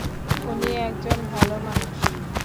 উনি একজন ভালো মানুষ।